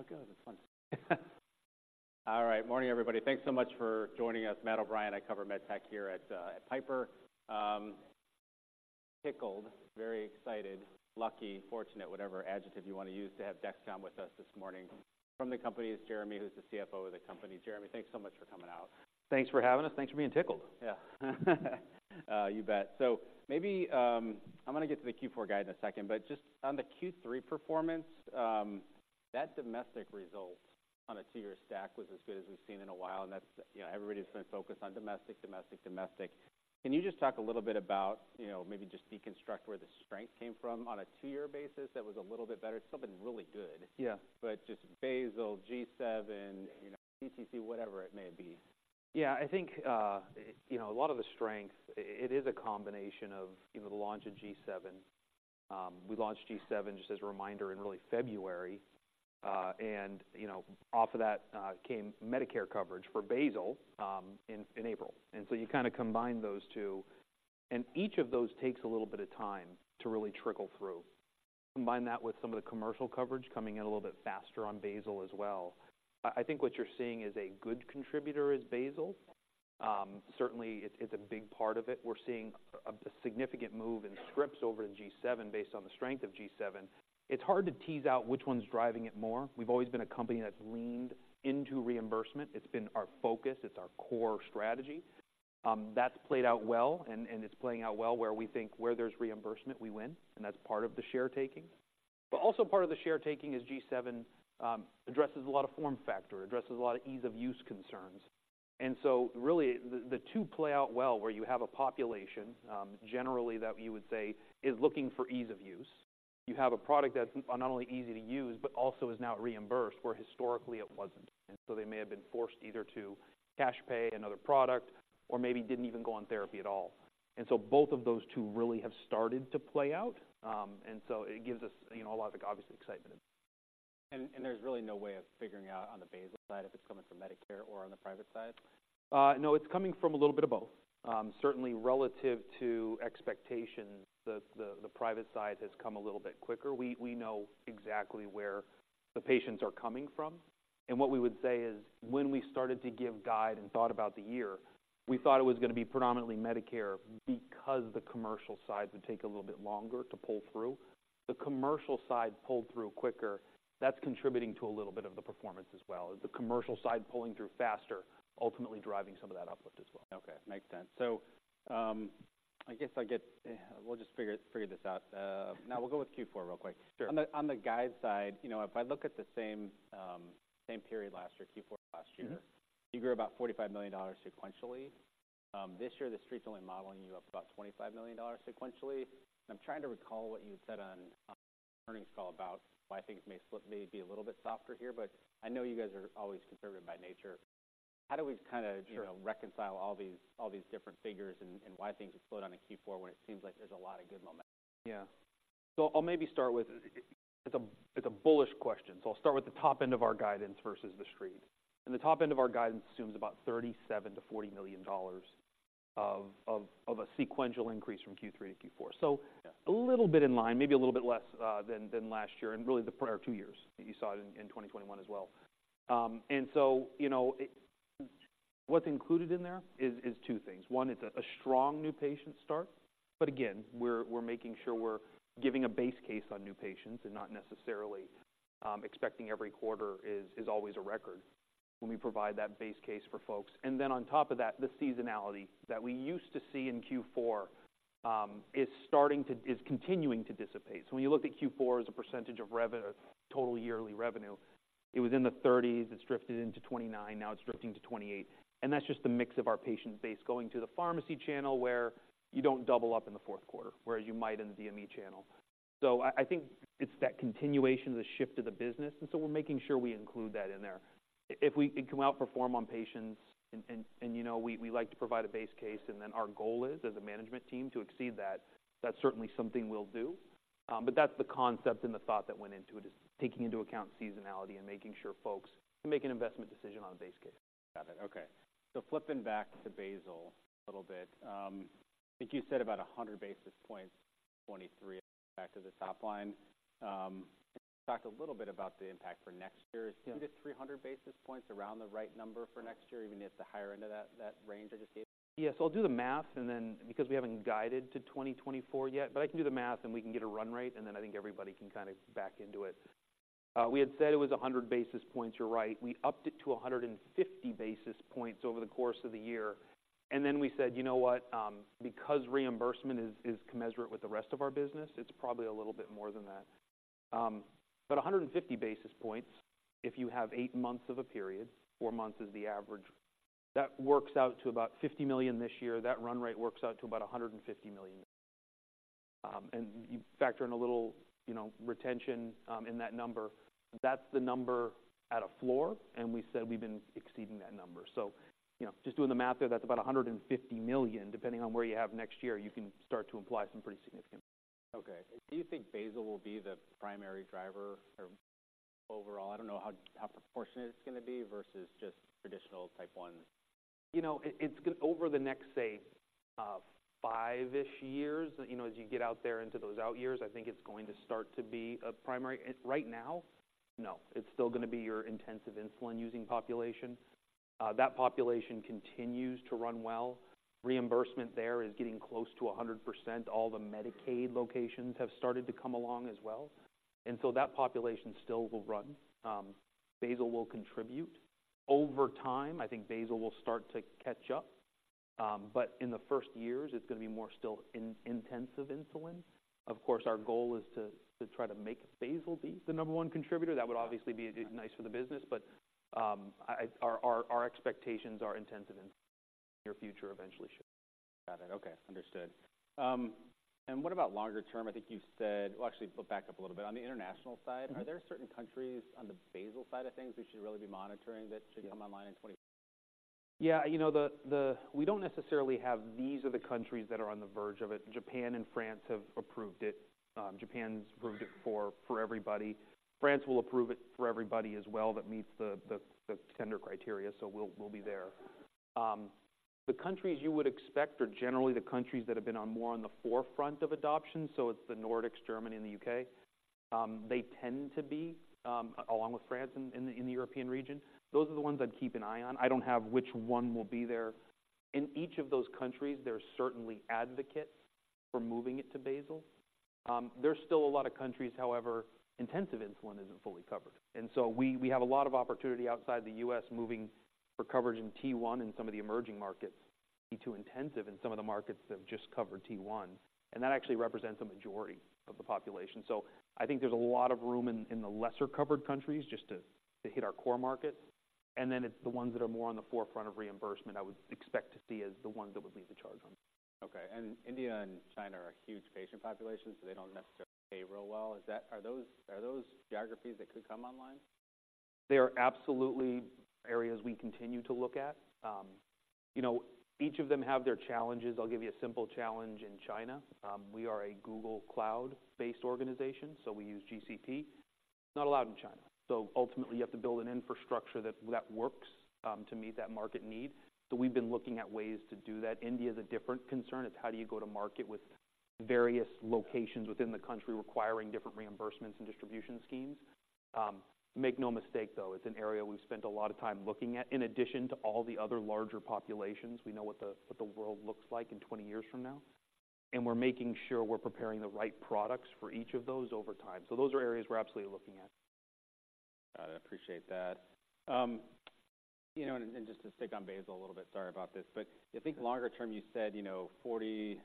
Oh, good. It's fun. All right. Morning, everybody. Thanks so much for joining us. Matt O'Brien, I cover MedTech here at, at Piper. Tickled, very excited, lucky, fortunate, whatever adjective you want to use, to have Dexcom with us this morning. From the company is Jereme, who's the CFO of the company. Jereme, thanks so much for coming out. Thanks for having us. Thanks for being tickled. Yeah. You bet. So maybe I'm gonna get to the Q4 guide in a second, but just on the Q3 performance, that domestic result on a two-year stack was as good as we've seen in a while, and that's, you know, everybody's been focused on domestic, domestic, domestic. Can you just talk a little bit about, you know, maybe just deconstruct where the strength came from on a two-year basis that was a little bit better? It's still been really good. Yeah. Just basal, G7, you know, CGM, whatever it may be. Yeah. I think, you know, a lot of the strength, it is a combination of, you know, the launch of G7. We launched G7, just as a reminder, in early February, and, you know, off of that, came Medicare coverage for basal, in April. So you kind of combine those two, and each of those takes a little bit of time to really trickle through. Combine that with some of the commercial coverage coming in a little bit faster on basal as well. I think what you're seeing is a good contributor is basal. Certainly, it's a big part of it. We're seeing a significant move in scripts over to G7 based on the strength of G7. It's hard to tease out which one's driving it more. We've always been a company that's leaned into reimbursement. It's been our focus, it's our core strategy. That's played out well and it's playing out well where we think where there's reimbursement, we win, and that's part of the share taking. But also part of the share taking is G7, addresses a lot of form factor, addresses a lot of ease-of-use concerns. And so really, the two play out well, where you have a population, generally that you would say is looking for ease of use. You have a product that's not only easy to use, but also is now reimbursed, where historically it wasn't. And so they may have been forced either to cash pay another product or maybe didn't even go on therapy at all. And so both of those two really have started to play out, and so it gives us, you know, a lot of, obviously, excitement. There's really no way of figuring out on the basal side if it's coming from Medicare or on the private side? No, it's coming from a little bit of both. Certainly relative to expectations, the private side has come a little bit quicker. We know exactly where the patients are coming from, and what we would say is, when we started to give guide and thought about the year, we thought it was gonna be predominantly Medicare because the commercial side would take a little bit longer to pull through. The commercial side pulled through quicker. That's contributing to a little bit of the performance as well, is the commercial side pulling through faster, ultimately driving some of that uplift as well. Okay, makes sense. So, I guess we'll just figure this out. No, we'll go with Q4 real quick. Sure. On the guide side, you know, if I look at the same period last year, Q4 last year- Mm-hmm. You grew about $45 million sequentially. This year, the Street's only modeling you up about $25 million sequentially. I'm trying to recall what you had said on the earnings call about why things may slip, may be a little bit softer here, but I know you guys are always conservative by nature. How do we kind of- Sure... reconcile all these, all these different figures and, and why things would slow down in Q4 when it seems like there's a lot of good momentum? Yeah. So I'll maybe start with... It's a, it's a bullish question, so I'll start with the top end of our guidance versus the Street. The top end of our guidance assumes about $37 million-$40 million of a sequential increase from Q3 to Q4. Yeah. So a little bit in line, maybe a little bit less than last year and really the prior two years. You saw it in 2021 as well. And so, you know, it's what's included in there is two things. One, it's a strong new patient start, but again, we're making sure we're giving a base case on new patients and not necessarily expecting every quarter is always a record when we provide that base case for folks. And then on top of that, the seasonality that we used to see in Q4 is starting to—is continuing to dissipate. So when you looked at Q4 as a percentage of revenue—total yearly revenue, it was in the 30s, it's drifted into 29, now it's drifting to 28. That's just the mix of our patient base going to the pharmacy channel, where you don't double up in the fourth quarter, whereas you might in the DME channel. So I think it's that continuation of the shift of the business, and so we're making sure we include that in there. If we can come out, perform on patients and, you know, we like to provide a base case, and then our goal is, as a management team, to exceed that. That's certainly something we'll do, but that's the concept and the thought that went into it, is taking into account seasonality and making sure folks can make an investment decision on a base case. Got it. Okay. So flipping back to basal a little bit, I think you said about 100 basis points, 23 back to the top line. Talked a little bit about the impact for next year. Yeah. 200-300 basis points around the right number for next year, even at the higher end of that, that range I just gave you? Yes, I'll do the math and then, because we haven't guided to 2024 yet, but I can do the math and we can get a run rate, and then I think everybody can kind of back into it. We had said it was 100 basis points, you're right. We upped it to 150 basis points over the course of the year. And then we said, You know what? Because reimbursement is commensurate with the rest of our business, it's probably a little bit more than that. But 150 basis points, if you have 8 months of a period, 4 months is the average, that works out to about $50 million this year. That run rate works out to about $150 million. And you factor in a little, you know, retention, in that number. That's the number at a floor, and we said we've been exceeding that number. So, you know, just doing the math there, that's about $150 million, depending on where you have next year, you can start to imply some pretty significant- Okay. Do you think basal will be the primary driver or overall? I don't know how proportionate it's gonna be versus just traditional Type 1- ...You know, it's over the next, say, 5-ish years, you know, as you get out there into those out years, I think it's going to start to be a primary. Right now, no, it's still gonna be your intensive insulin-using population. That population continues to run well. Reimbursement there is getting close to 100%. All the Medicaid locations have started to come along as well, and so that population still will run. Basal will contribute. Over time, I think basal will start to catch up, but in the first years, it's going to be more still in intensive insulin. Of course, our goal is to try to make basal be the number one contributor. That would obviously be nice for the business, but our expectations are intensive in near future, eventually should. Got it. Okay, understood. And what about longer term? I think you said... Well, actually, back up a little bit. On the international side- Mm-hmm. Are there certain countries on the basal side of things we should really be monitoring that should come online in 20...? Yeah, you know, we don't necessarily have, these are the countries that are on the verge of it. Japan and France have approved it. Japan's approved it for everybody. France will approve it for everybody as well that meets the tender criteria, so we'll be there. The countries you would expect are generally the countries that have been on more on the forefront of adoption, so it's the Nordics, Germany, and the UK. They tend to be along with France in the European region. Those are the ones I'd keep an eye on. I don't have which one will be there. In each of those countries, there are certainly advocates for moving it to basal. There's still a lot of countries, however, intensive insulin isn't fully covered, and so we have a lot of opportunity outside the U.S., moving for coverage in T1 in some of the emerging markets, to intensive in some of the markets that just covered T1, and that actually represents a majority of the population. So I think there's a lot of room in the lesser-covered countries just to hit our core markets, and then it's the ones that are more on the forefront of reimbursement I would expect to see as the ones that would lead the charge on. Okay, and India and China are huge patient populations, so they don't necessarily pay real well. Is that, are those geographies that could come online? They are absolutely areas we continue to look at. You know, each of them have their challenges. I'll give you a simple challenge in China. We are a Google Cloud-based organization, so we use GCP. Not allowed in China. So ultimately, you have to build an infrastructure that works to meet that market need. So we've been looking at ways to do that. India is a different concern. It's how do you go to market with various locations within the country requiring different reimbursements and distribution schemes? Make no mistake, though, it's an area we've spent a lot of time looking at. In addition to all the other larger populations, we know what the world looks like in 20 years from now, and we're making sure we're preparing the right products for each of those over time. So those are areas we're absolutely looking at. I appreciate that. You know, and just to stick on basal a little bit, sorry about this, but I think longer term, you said, you know, 45%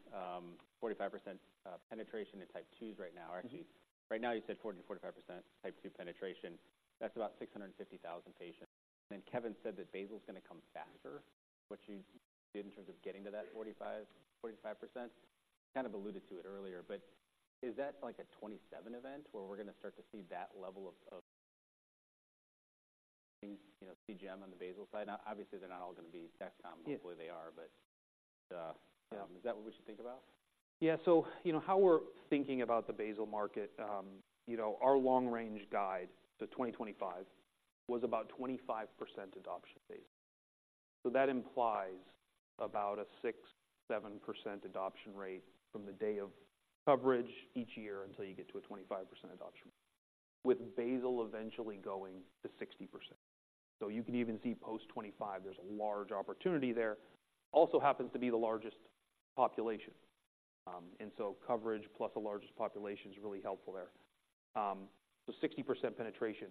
penetration in Type 2s right now. Mm-hmm. Actually, right now, you said 40%-45% Type 2 penetration. That's about 650,000 patients. And then Kevin said that basal is gonna come faster, which you did in terms of getting to that 45%. Kind of alluded to it earlier, but is that like a 2027 event, where we're gonna start to see that level of, of, you know, CGM on the basal side? Obviously, they're not all going to be Dexcom. Yeah. Hopefully, they are, but, Yeah. Is that what we should think about? Yeah. So you know, how we're thinking about the basal market, you know, our long-range guide to 2025 was about 25% adoption base. So that implies about a 6-7% adoption rate from the day of coverage each year until you get to a 25% adoption, with basal eventually going to 60%. So you can even see post-2025, there's a large opportunity there. Also happens to be the largest population, and so coverage plus the largest population is really helpful there. So 60% penetration.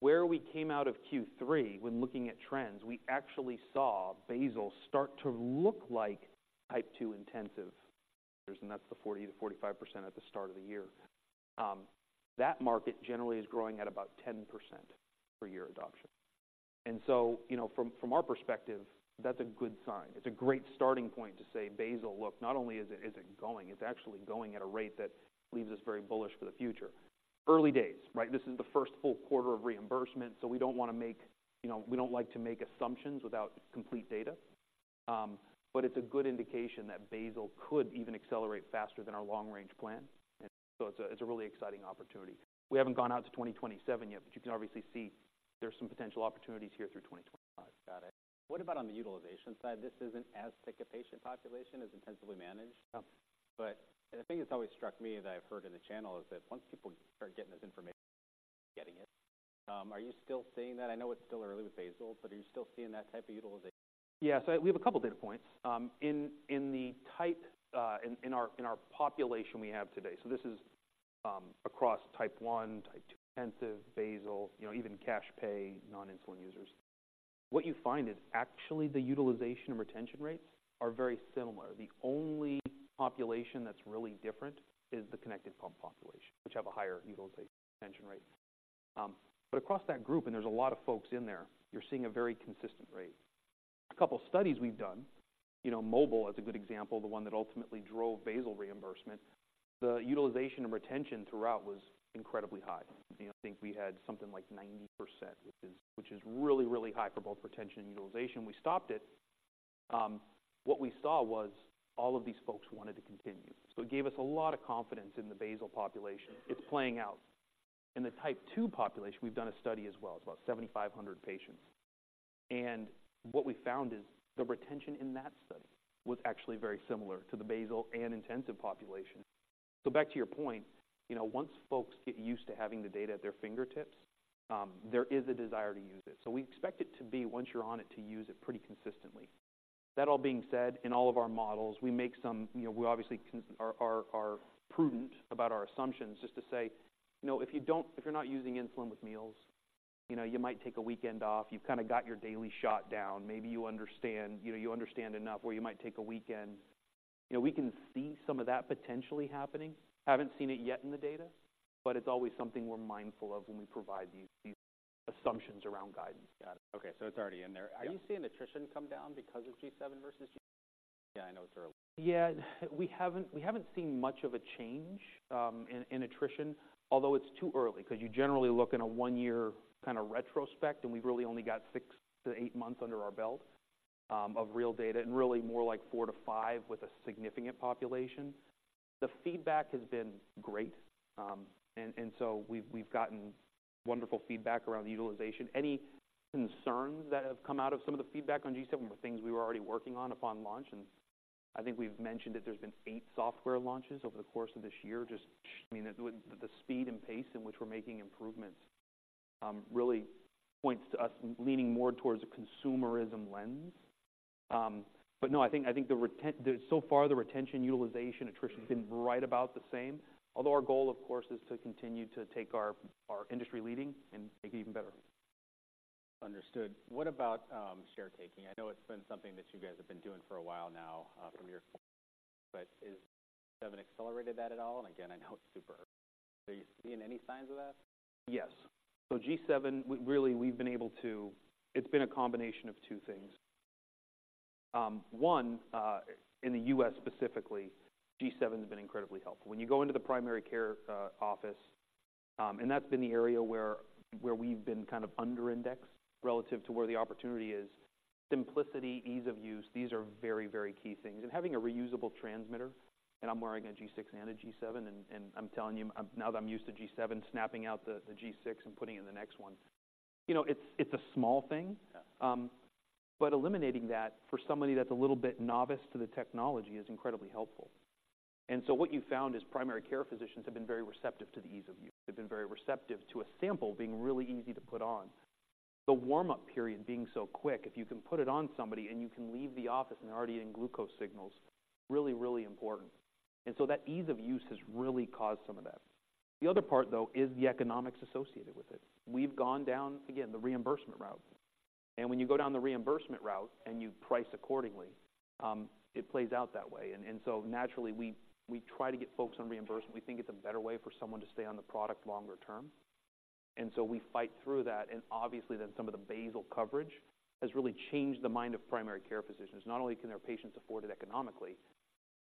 Where we came out of Q3, when looking at trends, we actually saw basal start to look like Type 2 intensive, and that's the 40%-45% at the start of the year. That market generally is growing at about 10% per year adoption. You know, from our perspective, that's a good sign. It's a great starting point to say, basal, look, not only is it going, it's actually going at a rate that leaves us very bullish for the future. Early days, right? This is the first full quarter of reimbursement, so we don't wanna make, you know, we don't like to make assumptions without complete data. But it's a good indication that basal could even accelerate faster than our long-range plan. So it's a really exciting opportunity. We haven't gone out to 2027 yet, but you can obviously see there's some potential opportunities here through 2025. Got it. What about on the utilization side? This isn't as thick a patient population as intensively managed. Yeah. But the thing that's always struck me that I've heard in the channel is that once people start getting this information, getting it, are you still seeing that? I know it's still early with basal, but are you still seeing that type of utilization? Yeah, so we have a couple of data points. In our population we have today, so this is across Type 1, Type 2, intensive, basal, you know, even cash pay, non-insulin users. What you find is actually the utilization and retention rates are very similar. The only population that's really different is the connected pump population, which have a higher utilization retention rate. But across that group, and there's a lot of folks in there, you're seeing a very consistent rate. A couple of studies we've done, you know, MOBILE is a good example, the one that ultimately drove basal reimbursement. The utilization and retention throughout was incredibly high. I think we had something like 90%, which is really, really high for both retention and utilization. We stopped it. What we saw was all of these folks wanted to continue. So it gave us a lot of confidence in the basal population. It's playing out in the Type 2 population; we've done a study as well, it's about 7,500 patients. And what we found is the retention in that study was actually very similar to the basal and intensive population. So back to your point, you know, once folks get used to having the data at their fingertips, there is a desire to use it. So we expect it to be, once you're on it, to use it pretty consistently. That all being said, in all of our models, we make some—you know, we obviously are prudent about our assumptions. Just to say, you know, if you don't, if you're not using insulin with meals, you know, you might take a weekend off. You've kind of got your daily shot down. Maybe you understand, you know, you understand enough where you might take a weekend. You know, we can see some of that potentially happening. Haven't seen it yet in the data, but it's always something we're mindful of when we provide these, these assumptions around guidance. Got it. Okay, so it's already in there. Yeah. Are you seeing attrition come down because of G7 versus...? Yeah, I know it's early. Yeah, we haven't seen much of a change in attrition, although it's too early, because you generally look in a one-year kind of retrospect, and we've really only got 6-8 months under our belt of real data, and really more like 4-5 with a significant population. The feedback has been great, and so we've gotten wonderful feedback around the utilization. Any concerns that have come out of some of the feedback on G7 were things we were already working on upon launch, and I think we've mentioned that there's been 8 software launches over the course of this year. Just, I mean, the speed and pace in which we're making improvements really points to us leaning more towards a consumerism lens. But no, I think the retention, utilization, attrition has been right about the same. Although our goal, of course, is to continue to take our industry leading and make it even better. Understood. What about share taking? I know it's been something that you guys have been doing for a while now, but has G7 accelerated that at all? And again, I know it's super early. Are you seeing any signs of that? Yes. So G7, we've really been able to... It's been a combination of two things. One, in the U.S. specifically, G7 has been incredibly helpful. When you go into the primary care office, and that's been the area where we've been kind of under indexed relative to where the opportunity is. Simplicity, ease of use, these are very, very key things. And having a reusable transmitter, and I'm wearing a G6 and a G7, and I'm telling you, now that I'm used to G7, snapping out the G6 and putting in the next one, you know, it's a small thing. Yeah. But eliminating that, for somebody that's a little bit novice to the technology, is incredibly helpful. And so what you found is primary care physicians have been very receptive to the ease of use. They've been very receptive to a sample being really easy to put on. The warm-up period being so quick, if you can put it on somebody and you can leave the office and they're already in glucose signals, really, really important. And so that ease of use has really caused some of that. The other part, though, is the economics associated with it. We've gone down, again, the reimbursement route. And when you go down the reimbursement route and you price accordingly, it plays out that way. And so naturally, we try to get folks on reimbursement. We think it's a better way for someone to stay on the product longer term, and so we fight through that. Obviously, then some of the basal coverage has really changed the mind of primary care physicians. Not only can their patients afford it economically,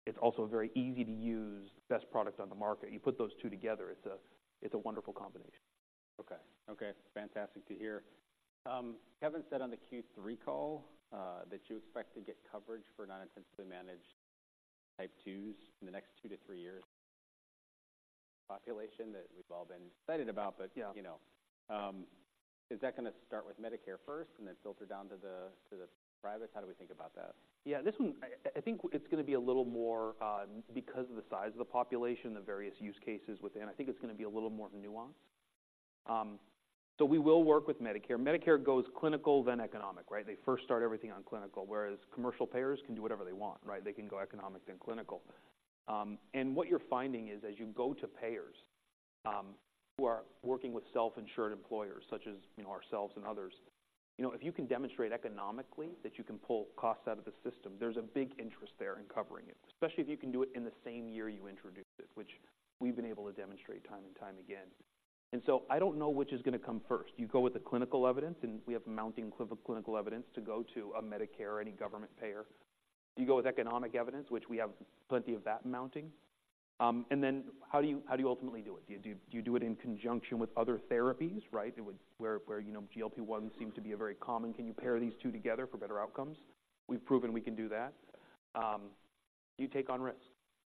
it's also a very easy-to-use, best product on the market. You put those two together, it's a, it's a wonderful combination. Okay. Okay, fantastic to hear. Kevin said on the Q3 call that you expect to get coverage for non-intensively managed Type 2s in the next 2-3 years. Population that we've all been excited about- Yeah. - but, you know, is that going to start with Medicare first and then filter down to the privates? How do we think about that? Yeah, this one, I think it's going to be a little more, because of the size of the population, the various use cases within, I think it's going to be a little more nuanced. So we will work with Medicare. Medicare goes clinical, then economic, right? They first start everything on clinical, whereas commercial payers can do whatever they want, right? They can go economic, then clinical. And what you're finding is as you go to payers, who are working with self-insured employers such as, you know, ourselves and others, you know, if you can demonstrate economically that you can pull costs out of the system, there's a big interest there in covering it. Especially if you can do it in the same year you introduce it, which we've been able to demonstrate time and time again. And so I don't know which is going to come first. Do you go with the clinical evidence, and we have mounting clinical evidence to go to a Medicare or any government payer? Do you go with economic evidence, which we have plenty of that mounting? And then how do you ultimately do it? Do you do it in conjunction with other therapies, right? Where you know, GLP-1 seems to be a very common. Can you pair these two together for better outcomes? We've proven we can do that. Do you take on risk?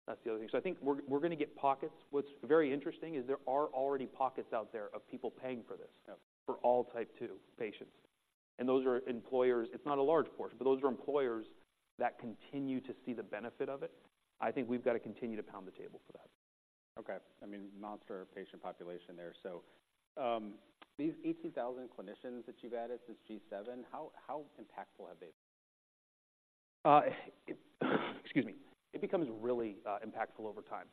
That's the other thing. So I think we're going to get pockets. What's very interesting is there are already pockets out there of people paying for this- Yeah... for all Type 2 patients, and those are employers. It's not a large portion, but those are employers that continue to see the benefit of it. I think we've got to continue to pound the table for that. Okay. I mean, monster patient population there. So, these 18,000 clinicians that you've added, since G7, how impactful have they been? Excuse me. It becomes really impactful over time.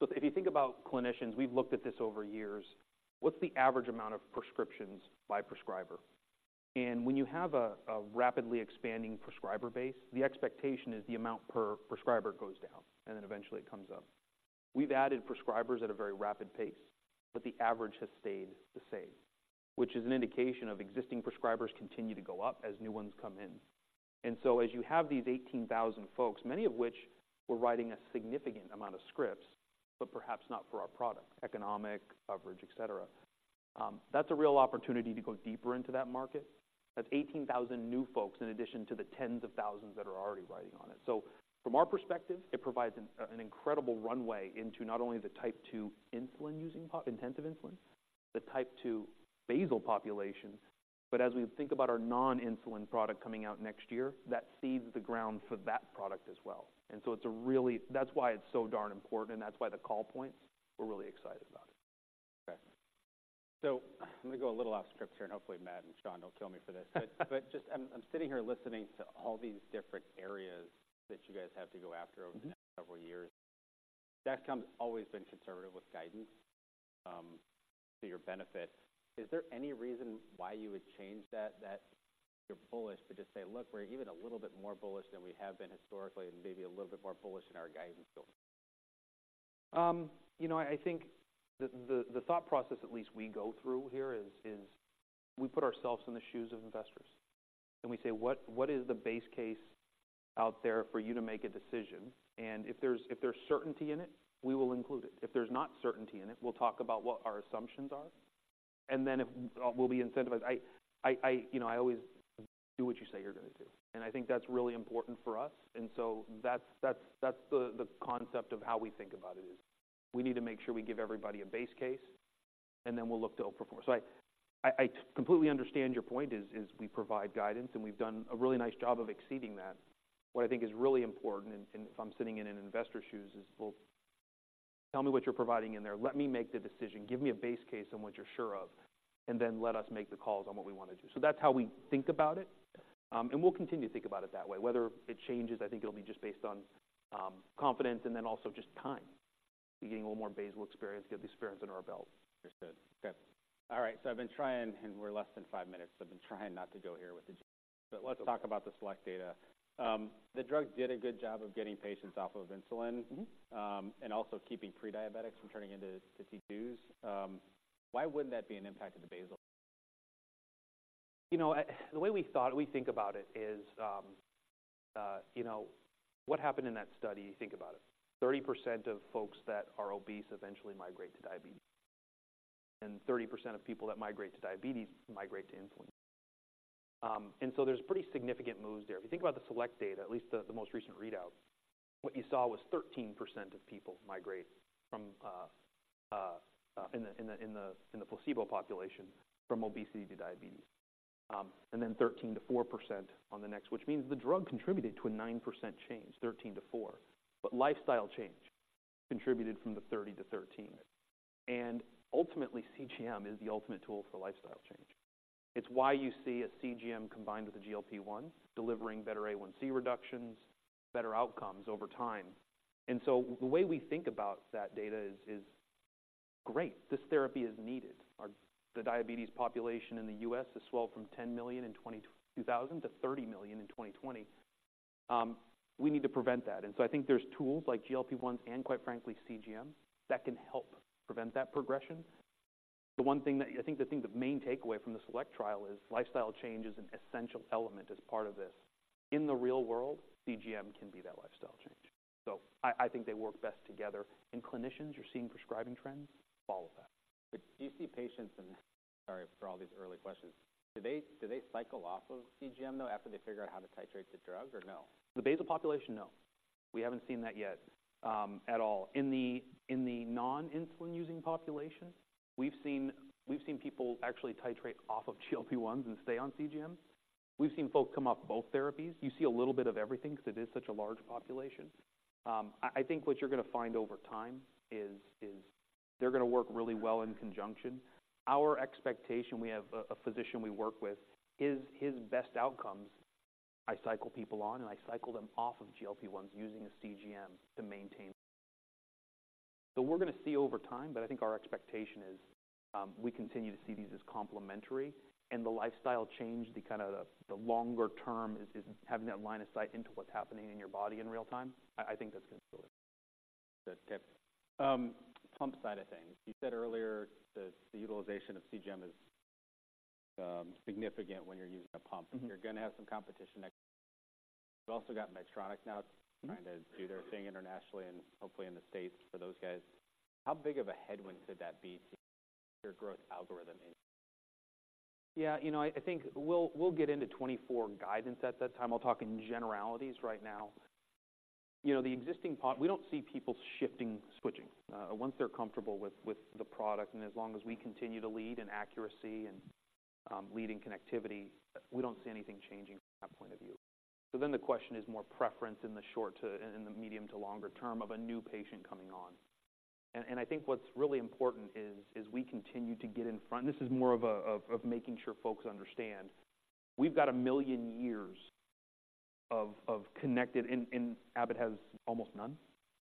So if you think about clinicians, we've looked at this over years. What's the average amount of prescriptions by prescriber? And when you have a rapidly expanding prescriber base, the expectation is the amount per prescriber goes down, and then eventually it comes up. We've added prescribers at a very rapid pace, but the average has stayed the same, which is an indication of existing prescribers continue to go up as new ones come in. And so as you have these 18,000 folks, many of which were writing a significant amount of scripts, but perhaps not for our product, economic, coverage, et cetera. That's a real opportunity to go deeper into that market. That's 18,000 new folks, in addition to the tens of thousands that are already writing on it. So from our perspective, it provides an incredible runway into not only the Type 2 insulin-using intensive insulin, the Type 2 basal population, but as we think about our non-insulin product coming out next year, that seeds the ground for that product as well. And so it's a really, that's why it's so darn important, and that's why the call points, we're really excited about it. Okay. So I'm going to go a little off script here, and hopefully, Matt and Sean don't kill me for this. But just, I'm sitting here listening to all these different areas that you guys have to go after over the next several years. Dexcom's always been conservative with guidance, to your benefit. Is there any reason why you would change that you're bullish, but just say, "Look, we're even a little bit more bullish than we have been historically, and maybe a little bit more bullish in our guidance field? You know, I think the thought process, at least we go through here is we put ourselves in the shoes of investors, and we say, what is the base case out there for you to make a decision? And if there's certainty in it, we will include it. If there's not certainty in it, we'll talk about what our assumptions are, and then we'll be incentivized. You know, I always do what you say you're going to do, and I think that's really important for us. And so that's the concept of how we think about it, is we need to make sure we give everybody a base case, and then we'll look to overperform. I completely understand your point is we provide guidance, and we've done a really nice job of exceeding that. What I think is really important, and if I'm sitting in an investor's shoes, is, well, tell me what you're providing in there. Let me make the decision. Give me a base case on what you're sure of, and then let us make the calls on what we want to do. So that's how we think about it, and we'll continue to think about it that way. Whether it changes, I think it'll be just based on confidence and then also just time. We're getting a little more basal experience, get the experience under our belt. Understood. Okay. All right, so I've been trying, and we're less than 5 minutes, so I've been trying not to go here with the... But let's talk about the SELECT data. The drug did a good job of getting patients off of insulin- Mm-hmm. and also keeping prediabetics from turning into Type 2s. Why wouldn't that be an impact to the basal? You know, the way we thought, we think about it is, you know, what happened in that study? Think about it. 30% of folks that are obese eventually migrate to diabetes, and 30% of people that migrate to diabetes migrate to insulin. And so there's pretty significant moves there. If you think about the SELECT data, at least the most recent readout, what you saw was 13% of people migrate from, in the placebo population, from obesity to diabetes. And then 13%-4% on the next, which means the drug contributed to a 9% change, 13 to 4. But lifestyle change contributed from the 30%-13%. Right. Ultimately, CGM is the ultimate tool for lifestyle change. It's why you see a CGM combined with a GLP-1, delivering better A1C reductions, better outcomes over time. And so the way we think about that data is great, this therapy is needed. Our, the diabetes population in the U.S. has swelled from 10 million in 2000 to 30 million in 2020. We need to prevent that. And so I think there's tools like GLP-1, and quite frankly, CGM, that can help prevent that progression. The one thing that... I think the thing, the main takeaway from the SELECT trial is lifestyle change is an essential element as part of this. In the real world, CGM can be that lifestyle change. I think they work best together, and clinicians are seeing prescribing trends follow that. But do you see patients, and sorry for all these early questions, do they cycle off of CGM, though, after they figure out how to titrate the drug, or no? The basal population, no. We haven't seen that yet at all. In the non-insulin-using population, we've seen people actually titrate off of GLP-1s and stay on CGM. We've seen folks come off both therapies. You see a little bit of everything because it is such a large population. I think what you're going to find over time is they're going to work really well in conjunction. Our expectation, we have a physician we work with. His best outcomes, I cycle people on, and I cycle them off of GLP-1s using a CGM to maintain. So we're going to see over time, but I think our expectation is, we continue to see these as complementary and the lifestyle change, the kind of the longer term is having that line of sight into what's happening in your body in real time. I think that's going to really. Good. Okay. Pump side of things. You said earlier that the utilization of CGM is significant when you're using a pump. Mm-hmm. You're going to have some competition next. You've also got Medtronic now- Mm-hmm. trying to do their thing internationally and hopefully in the States for those guys. How big of a headwind could that be to your growth algorithm in? Yeah, you know, I think we'll get into 2024 guidance at that time. I'll talk in generalities right now. You know, the existing part, we don't see people shifting, switching. Once they're comfortable with the product, and as long as we continue to lead in accuracy and leading connectivity, we don't see anything changing from that point of view. So then the question is more preference in the short to, in the medium to longer term of a new patient coming on. And I think what's really important is we continue to get in front. This is more of a making sure folks understand. We've got 1 million years of connectivity, and Abbott has almost none,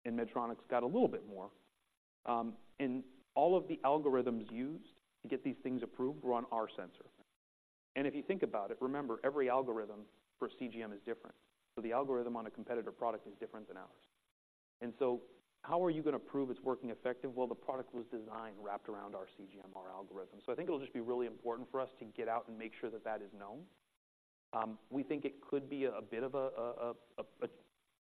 and Medtronic's got a little bit more. And all of the algorithms used to get these things approved were on our sensor. If you think about it, remember, every algorithm for CGM is different. So the algorithm on a competitor product is different than ours. And so how are you going to prove it's working effective? Well, the product was designed, wrapped around our CGM, our algorithm. So I think it'll just be really important for us to get out and make sure that that is known. We think it could be a bit of a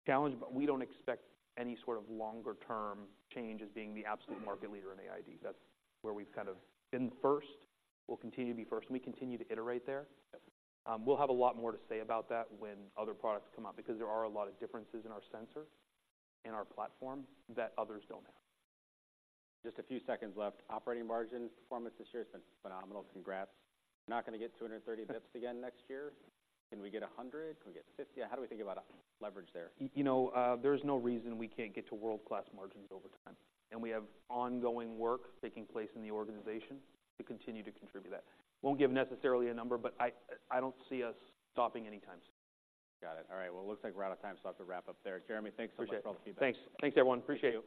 challenge, but we don't expect any sort of longer-term change as being the absolute market leader in AID. That's where we've kind of been first, we'll continue to be first, and we continue to iterate there. Yep. We'll have a lot more to say about that when other products come out, because there are a lot of differences in our sensor and our platform that others don't have. Just a few seconds left. Operating margin performance this year has been phenomenal. Congrats. Not going to get 230 basis points again next year? Can we get 100? Can we get 50? How do we think about leverage there? You know, there's no reason we can't get to world-class margins over time, and we have ongoing work taking place in the organization to continue to contribute to that. Won't give necessarily a number, but I, I don't see us stopping anytime soon. Got it. All right. Well, it looks like we're out of time, so I'll have to wrap up there. Jereme, thanks so much for all the feedback. Thanks. Thanks, everyone. Appreciate it.